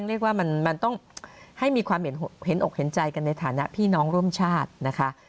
เรียกว่ามันต้องให้มีความเห็นอกเห็นใจกันในฐานะพี่น้องร่วมชาตินะคะ